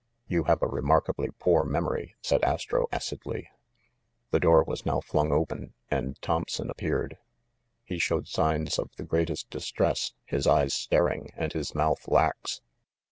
"You have a remarkably poor memory," said Astro acidly. The door was now flung open again, and Thompson appeared. He showed signs of the greatest distress, his eyes staring, and his mouth lax.